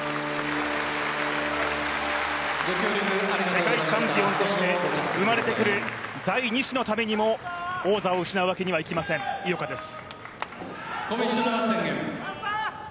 世界チャンピオンとして生まれてくる第２子のためにも王座を失うわけにはいきません、井岡です。